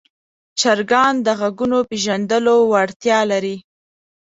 چرګان د غږونو پېژندلو وړتیا لري.